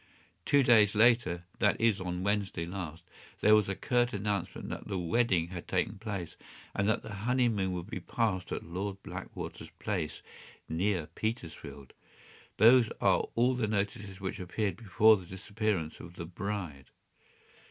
Two days later—that is, on Wednesday last—there is a curt announcement that the wedding had taken place, and that the honey moon would be passed at Lord Backwater’s place, near Petersfield. Those are all the notices which appeared before the disappearance of the bride.